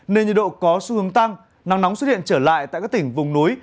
nên nhiệt độ có xu hướng tăng nắng nóng xuất hiện trở lại tại các tỉnh vùng núi